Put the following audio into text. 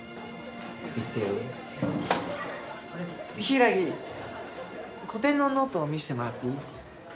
柊古典のノート見せてもらっていい？